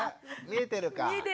見えてるね。